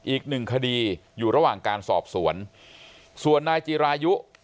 อีกหนึ่งคดีอยู่ระหว่างการสอบสวนส่วนนายจิรายุ